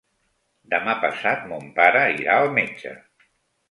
Demà passat mon pare irà al metge.